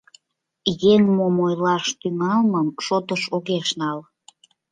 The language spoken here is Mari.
Еҥ мом ойлаш тӱҥалмым шотыш огеш нал.